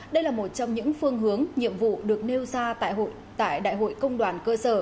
đây là một trong những phương hướng nhiệm vụ được nêu ra tại đại hội công đoàn cơ sở